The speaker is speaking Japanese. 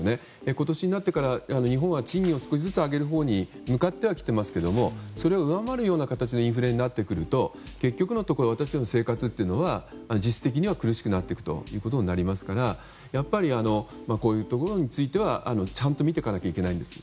今年になってから日本は賃金を少しずつ上げるほうに向かってはきていますけどそれを上回るような形のインフレになってくると結局のところ私たちの生活は実質的には苦しくなっていくということになりますからやっぱりこういうところについてはちゃんと見ていかなきゃいけないんです。